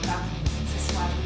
dan memiliki kesempatan